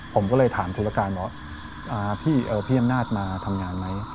ผมก็เลยถามธุรการว่าพี่อำนาจมาทำงานไหม